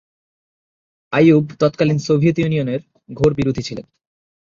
আইয়ুব তৎকালীন সোভিয়েত ইউনিয়নের ঘোর বিরোধী ছিলেন।